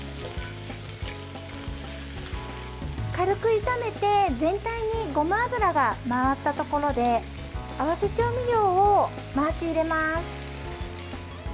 軽く炒めて全体にごま油が回ったところで合わせ調味料を回し入れます。